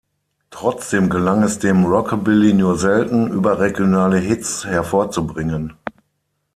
Trotzdem gelang es dem Rockabilly nur selten, überregionale Hits hervorzubringen.